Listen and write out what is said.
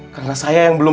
karena saya yang belum